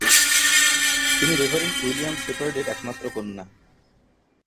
তিনি Reverend William শেপার্ডের একমাত্র কন্যা।